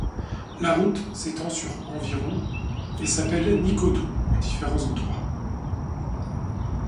La route s'étend sur environ et s'appelle Nikkōdō en différents endroits.